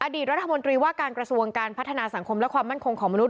ดีตรัฐมนตรีว่าการกระทรวงการพัฒนาสังคมและความมั่นคงของมนุษ